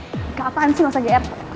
keapaan sih mas agr